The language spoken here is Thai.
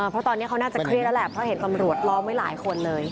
เพราะตอนนี้เขาน่าจะเครียดแล้วแหละเพราะเห็นตำรวจล้อมไว้หลายคนเลย